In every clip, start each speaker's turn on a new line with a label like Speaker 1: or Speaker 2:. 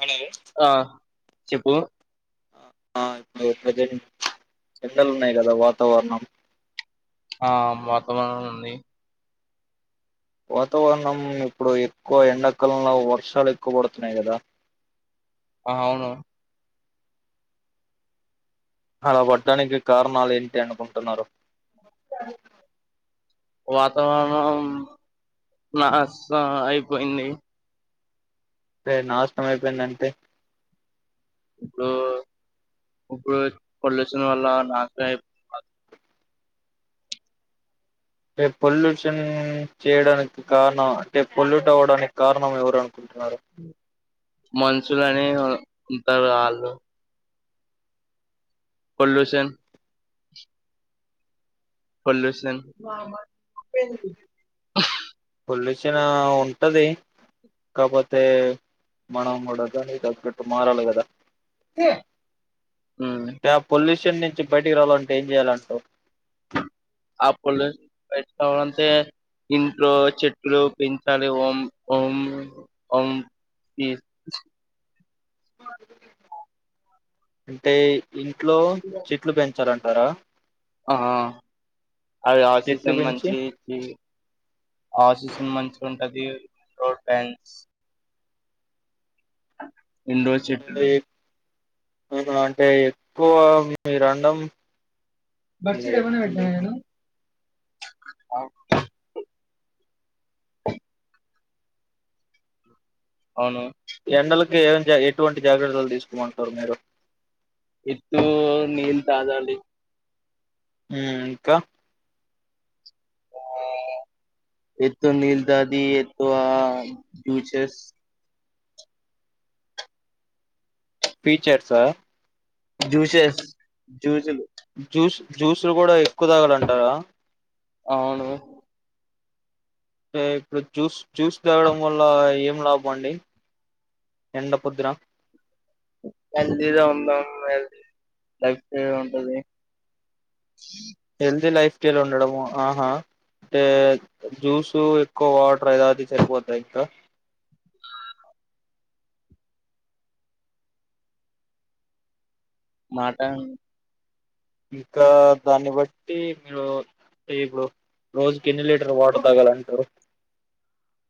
Speaker 1: Hello
Speaker 2: ఆ చెప్పు
Speaker 1: ఆ [unintelligible] ఎండలు ఉన్నాయి కదా వాతావరణం
Speaker 2: ఆ వాతావరం ఉంది
Speaker 1: వాతావరణం ఇప్పుడు ఎక్కువ ఎండాకాలంలో వర్షాలు ఎక్కువ పడుతున్నాయి కదా
Speaker 2: ఆ అవును
Speaker 1: అలా పడ్డానికి కారణాలు ఏంటి అనుకుంటున్నారు
Speaker 2: వాతావరణం నాశనా ఆయిపోయింది
Speaker 1: అంటే నాశనం అయిపోయింది అంటే
Speaker 2: ఇప్పుడు ఇప్పుడు పొల్యూషన్ వల్ల నాశనం అయిపోతుంది కా
Speaker 1: అంటే పొల్యూషన్ చేయడానికి కారణం అంటే పొల్యూట్ అవ్వడానికి కారణం ఎవరు అనుకో
Speaker 2: మన సులని ఉంటారు వాళ్ళు పొల్యూషన్ పొల్యూషన్ ప
Speaker 1: వచ్చిన ఉంటది కాపోతే మనం కూడా దానికి దగ్గట్టు మారాలి గదా.
Speaker 2: ఉమ్
Speaker 1: పషన్ నుంచి బయటికి రావాలంటే ఏం చేయాలంటావ్.
Speaker 2: ఆప్పులు పెట్టుకోవాలంటే ఇంట్లో చెట్లు పెంచాలి ఓం ఓం ఓం
Speaker 1: అంటే ఇ చెట్లు చెట్లు పెంచాలం అరా
Speaker 2: ఆ అవి
Speaker 1: చెట్లు
Speaker 2: ఆక్సిజన్ మంచి
Speaker 1: పెంచి
Speaker 2: కి ఆక్సిజన్ మంచి గుంటది టోడ్ ట్యాంన్స్ ఉండ వచ్చట్లో
Speaker 1: అవును అంటే ఎక్కువ మీరండం
Speaker 2: బర్సడ ఎవన వెట్టాను నేను అవు అవును
Speaker 1: ఎండలకి ఏ ఎటువంటి జాగ్రత్తలు తీసుకోమంటారు మీరు.
Speaker 2: ఇత్తు నీల్ తాగాలి
Speaker 1: ఇంకా
Speaker 2: ఇత్తు నీల్ దాగి ఎక్కువ ఆ ఈచస్
Speaker 1: ఫీచర్సా
Speaker 2: జూసెస్ జూసులు
Speaker 1: జ్యూస్ జ్యూస్లు కూడా ఎక్కువ దాగాలింట గా
Speaker 2: అవును
Speaker 1: ఇప్పుడు జూస్ జ్యూస్ తాగడం వల్ల ఏం ఇప్పుడా బండి ఎండపుత్ర
Speaker 2: హెల్దీలో ఉందాం హల్ లైఫ్ ఉంటది.
Speaker 1: హెల్దీ లైఫ్ ఉండడము ఆహా అంటే జ్యూసు ఎక్కువ వాటర్ ఏదది సరిపోతాయి ఇంకా
Speaker 2: మాట
Speaker 1: ఇంకా దాన్ని బట్టి మీరు ఇప్పుడు రోజుకి ఎన్ని లీటర్ వాటర్ తాగాలంటారు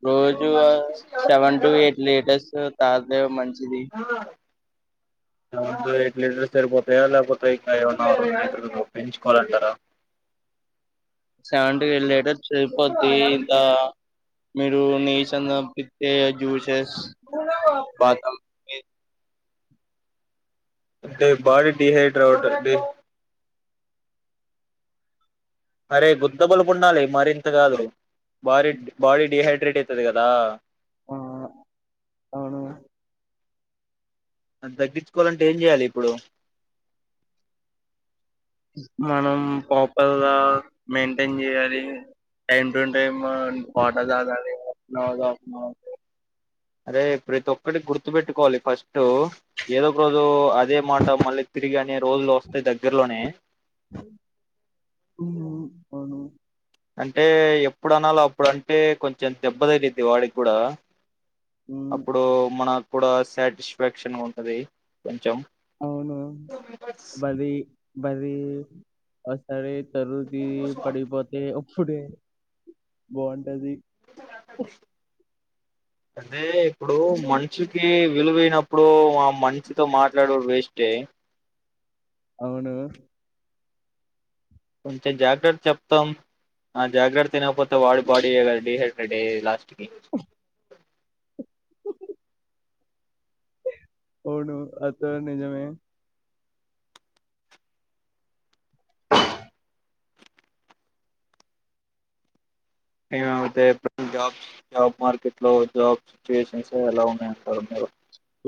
Speaker 2: రోజు సెవెన్ టు ఎయిట్ లీటస్ తదే మంచి
Speaker 1: ఆ.. ఎయిట్ లీటర్స్ సరిపోతాయా లేపోత్ కాయన్నా ఓ రెండు లీటర్లు పెంచుకోవాలంటారా
Speaker 2: సెం వెళ్ళలేటర్ [unintelligible] శపతి ద మీరు నీి సన్నపితే జ్యూసెస్ బాదం
Speaker 1: మే బడి హైడ్ రౌడ్ బ
Speaker 2: ఆ
Speaker 1: అరే గుద్దబలుపు ఉండాలి మరింత కాదు బాడీ బాడీ డిహైడ్ క్రెట్ అయితది కదా
Speaker 2: ఆ అవును
Speaker 1: అది తగ్గించుకోవాలంటే ఏం చేయాలి ఇప్పుడు
Speaker 2: మనం ప్రాపర్ గా మెయింటైన్ చేయాలి టైమ్ టు టైమ్ వాటార తాగాలి
Speaker 1: అరే ప్రతి ఒక్కడి గుర్తు పెెట్టుకోవాలి ఫస్ట్ ఏదో ఒక రోజు అదే మాట మళ్ళీ తిరిగి అనే రోజులు వస్తాయి దగ్గరలోనే
Speaker 2: అ అవును
Speaker 1: అంటే ఎప్పు అప్పుడు అనాలో అప్పుడు అంటే కొంచం ంత దెబ్బదైతే వాడికి కూడా
Speaker 2: ఉమ్,
Speaker 1: అప్పుడు మన కూడా సాటిస్ఫాక్షన్ ఉంటది కొంచెం
Speaker 2: అవును బరిీ బరిీ వ సరే జరుది పడిపోతే అప్పుడే బాగుంటది
Speaker 1: అదే ఇప్పుడు మనుషుకి విలువైనప్పుడు ఇప్పుడు ఆ మనీషితో మాట్లాడడు వేస్టే
Speaker 2: అవును
Speaker 1: కొంచెం జాగ్రత్త చెప్తాం ఆ జాగ్రత్త తినకపోతే వాడి బాడీ డిహైడ్రేట్ అయ్యది లాస్ట్ కి
Speaker 2: అవును అత నిజమే
Speaker 1: ఏమమతే జాబ్ జాబ్ మార్కెట్ లో జాబ్ సిచ్యువేషన్స్ ఎలా ఉన్నాయంటారు మీరు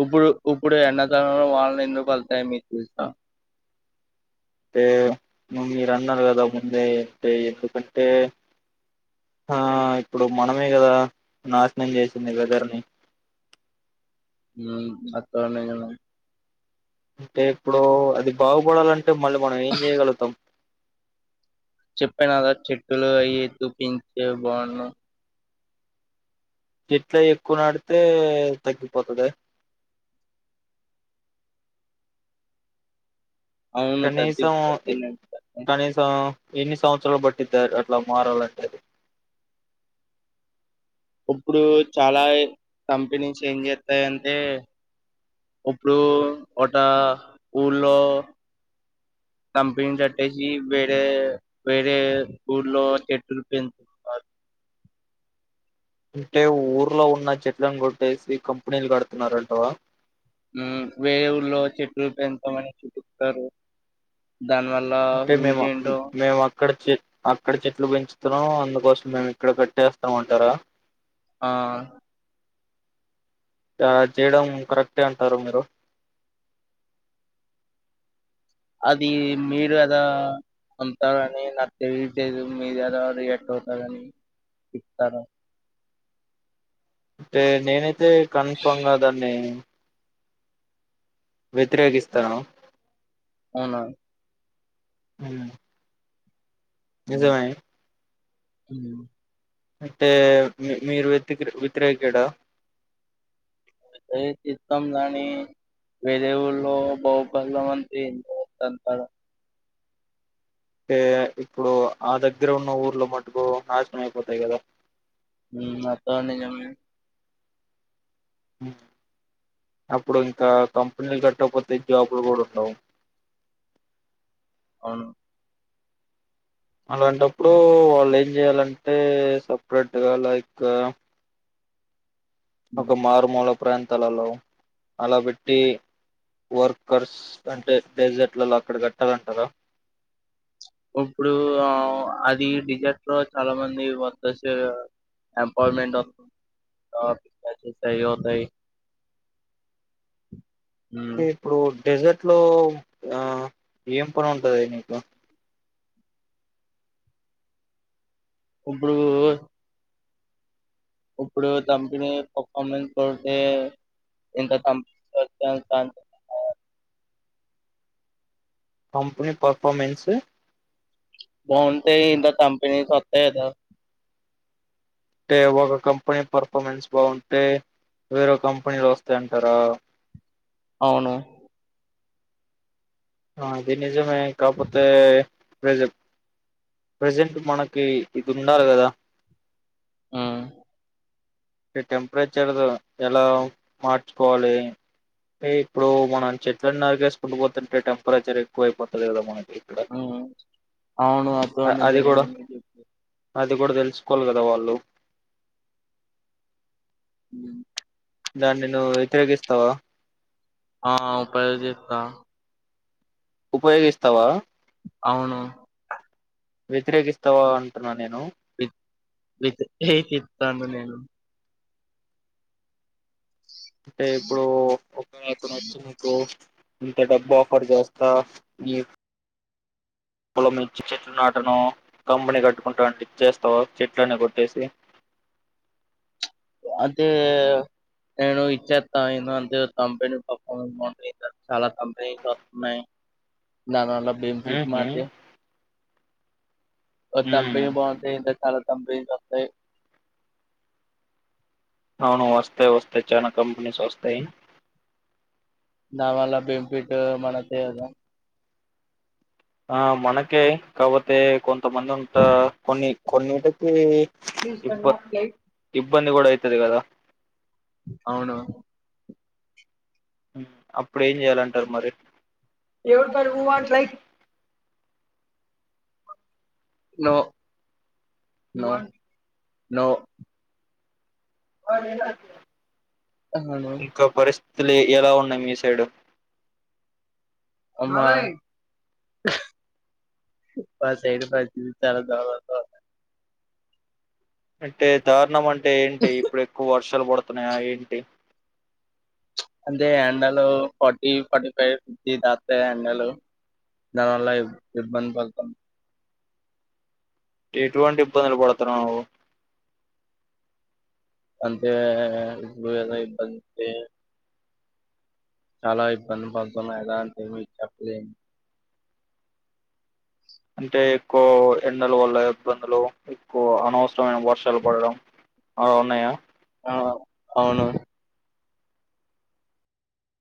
Speaker 2: ఇప్పుడు ఇప్పుడు ఎన్నతనంలో వాళ్ళని ఎందుకు వెళ్తాయి మీ చూసా
Speaker 1: అంటే ను్ మీరు అన్నారు కదా ముందే అంటే ఎందుకంటే ఆ ఇప్పుడు మనమే కదా నాశనం చేసింది వెదర్ని
Speaker 2: అత్తవన్న
Speaker 1: అంటే ఇప్పుడు అది బాగుపడాలంటే మళ్ళీ మనం ఏం చేయగలుగుతాం
Speaker 2: చెప్పానుద చెట్టులు అయి దూపించే బాను
Speaker 1: చెట్లా ఎక్కువ నాడితే తగ్గిపోతుంది
Speaker 2: అవును
Speaker 1: కనీసం ఎ
Speaker 2: తదిదిన
Speaker 1: కనీసం ఎన్ని సంవత్సరాలు పట్టిద్ద అట్లా మారాలంటేది
Speaker 2: ఇప్పుడు చాలా కంపిణీస్ ఏం చేస్తాయింటే ఇప్పుడు ఒక ఊలో కంపెనీ కట్టేసి వేరే వేరే ఊర్లో చెట్టులు పెంచుారు
Speaker 1: అంటే ఊర్లో ఉన్న చెట్లను కొట్టేసి కంపెనీలు కడుతున్నారంటవా
Speaker 2: వేల్లో చెట్లు పె ఎంత మని చుట్స్తారు
Speaker 1: అంటే మేము మేము అక్కడ చే అక్కడ చెట్లు పెంచుతున్నాం అందుకోసం మేము ఇక్కడ కట్టేస్తామంటారా
Speaker 2: ఆ
Speaker 1: ఆ చేయడం కరెక్టే అంటారు మీరు
Speaker 2: అది మీరు ఎదో అంటారు అని నాకు తెయట్లేదు మీరు ఎదో రియాట్ అవుతారని చెప్తారు
Speaker 1: ఏ నేనైతే అయితే కన్ఫామ్ గ దాన్ని వ్యతిరేకిస్తాను
Speaker 2: అవునా
Speaker 1: ఉ నిజమే
Speaker 2: ఊ
Speaker 1: అంటే మీ మీరు వతికి వ్యతిరేకడా
Speaker 2: ఏ చిత్తం రాని వేరే ఊలో బహుబల్ ఎంతో మంచి అంటారు
Speaker 1: అంటే ఇప్పుడు ఆ దగ్గర ఉన్న ఊర్లో మటుకు నాశనం అయిపోతాయి కదా
Speaker 2: ఊ అత్త అన్న నిజమే
Speaker 1: ఉ అప్పుడు ఇంకా కంపెనీలు కట్టకపోతే జాబ్లు కూడా ఉండవు
Speaker 2: అవును
Speaker 1: అలాంటప్పుడు వాళ్ళు ఏం చేయాలంటే సపరేట్గా లైక్ ఒక
Speaker 2: హ్మ్.
Speaker 1: మారు మూళ ప్రాంతాలలో అలా పెట్టి వర్కర్స్ అంటే డెజర్ట్లలో అక్కడ కట్టాలంటారా
Speaker 2: ఇప్పుడు ఆ అది డిజెట్ లో చాలా మంది వద్ద సే ఎంపాయిమెంట్ [unintelligible] అవుతాయి హ్మ్.
Speaker 1: ఇప్పుడు డెజర్ట్ లో
Speaker 2: ఉప్పుడు ఒ ఇప్పుడు కంపినీ పర్ఫార్మెన్స్ తోటే ఇంత సం తడితే ఇంత కంపి
Speaker 1: కంపనీ పఫర్మన్స్
Speaker 2: ఫోన్ పే ఇంత కంపెనీ స్వత్తయి కద
Speaker 1: అంటే ఒక కంపెనీ పర్ఫార్మెన్స్ బాగుంటే వేరే కంపెనీలు వస్తాయి అంటారా
Speaker 2: అవును
Speaker 1: ఆ అది నిజమే నిజమే కాపోతే ప్రజల్ ప్రజెంట్ మనకి ఇది ఉండాలి కదా
Speaker 2: ఆ
Speaker 1: టెంపరేచర్ ఎలా మార్చుకోవాలి ఇప్పుడు మనం చెట్లలను నరికేసుకుంటూ పోతుంటే అపరాచారెక్కుపోతది మనకు
Speaker 2: అవను అది కూడా నిజమే బ్రో నువ్ చెప్పేది
Speaker 1: అది కూడా తెలుసుకోవాలి కదా వాళ్ళు దాని నువ్ వెతిరేకిస్తావా
Speaker 2: ఆవు ట్రై జేత
Speaker 1: ఉపయోగిస్తావా
Speaker 2: అవును
Speaker 1: వ్యతిరేకిస్తావా అంటున్నా నేను
Speaker 2: వితిరేకితను నేను
Speaker 1: అంటే ఇప్పుడు ఒక అతను వచ్చినకో ఇంత డబ్బు ఆఫర్ చేస్తా మీకు పొలం మంచి చెట్లు నాటను కంబని కట్టుకుంటా అంటే ఇచ్చేస్త చెట్లని కొట్టేసి
Speaker 2: అంటే నేను ఇచ్చేస్తా ఇంత అంతే కంపెనీ పర్ఫార్ బా చాలా కంపెనీస్ వస్తున్నాయి దానివల్ల బెన్ఫిట్
Speaker 1: ఉహు
Speaker 2: మాదే తంప
Speaker 1: ఉమ్
Speaker 2: బాగుంటాయి ఇంతకాల తంబి తస్త
Speaker 1: అవును వస్తాయి వస్తాయి చనా కంపెనీస్ వస్తాయి
Speaker 2: నావల్ల బింపిట్ మనకే అదా
Speaker 1: ఆ మనకే కవతే కొంత బంద ఉంత కొన్ని కొన్నిటికి
Speaker 2: ప్లీజ్ కన్న అప్లై
Speaker 1: సిబ్బంది కూడా అయితది కదా
Speaker 2: అవునవును
Speaker 1: అప్పుడు ఏం చెయాలంటారు మరి
Speaker 2: ఎవడికడ ఓ అట్లే నో నో నో అవును
Speaker 1: ఇకా బరీస్ తీల్లి ఎలా ఉన్నాయి మీ సైడు
Speaker 2: అమ్మా మాసైడ్ పరిస్థితి చాలా దారుణంగా ఉన్నాయి.
Speaker 1: అంటే దారుణం అ టే ఏంటే ఇప్పుడు ఎక్కువ వా ర్షాలు పడుతున్నాయా ఏంటి
Speaker 2: అంటే ఎండలు ఫార్టీ ఫార్టీ ఫైవ్ ఫిఫ్టీ దాటతాయి ఎండలు దానివల్ల ఇబ్బ ఇబ్బంది పడతాం.
Speaker 1: ఎటువంటి ఇబ్బందులు పడతనవ్ నువ్వు
Speaker 2: అంటే నువ్వెలా ఇబ్బంది చాలా ఇబ్బంది పడుతున్న ఎలా అంటే మీకు చెప్పలేను.
Speaker 1: అంటే ఎక్కువ ఎండల వల్ల ఇబ్బందులు ఎక్కువ అనవస మైన వర్షాలు పడడం అవు ఉన్నాయా
Speaker 2: అవ్ హౌ అవునవును